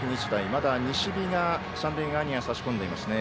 まだ西日が三塁側には差し込んでいますね。